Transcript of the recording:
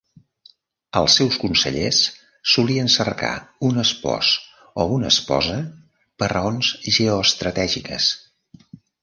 Els seus consellers solien cercar un espòs o una esposa per raons geoestratègiques.